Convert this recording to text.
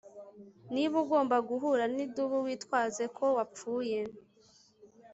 Niba ugomba guhura nidubu witwaze ko wapfuye